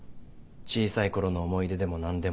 小さいころの思い出でも何でも。